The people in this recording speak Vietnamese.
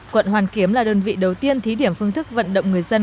quận hoàn kiếm là đơn vị đầu tiên thí điểm phương thức vận động người dân